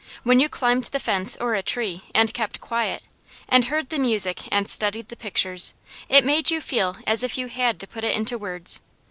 When you climbed the fence, or a tree, and kept quiet, and heard the music and studied the pictures, it made you feel as if you had to put it into words.